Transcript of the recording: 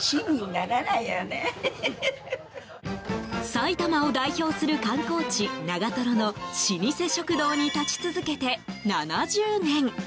埼玉を代表する観光地・長瀞の老舗食堂に立ち続けて７０年。